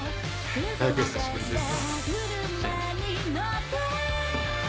お久しぶりです。